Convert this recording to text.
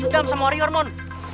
kita harus berdiam sama warior mon